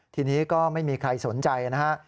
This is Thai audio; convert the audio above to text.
ทีนี้ก็ไม่มีใครสนใจนะฮะ